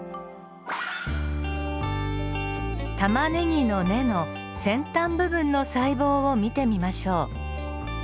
タマネギの根の先端部分の細胞を見てみましょう。